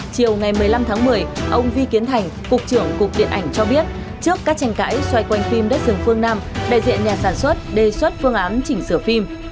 chiều ngày một mươi năm tháng một mươi ông vi kiến thành cục trưởng cục điện ảnh cho biết trước các tranh cãi xoay quanh phim đất rừng phương nam đại diện nhà sản xuất đề xuất phương án chỉnh sửa phim